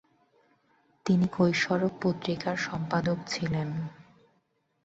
তিনি কৈশোরক পত্রিকার সম্পাদক ছিলেন।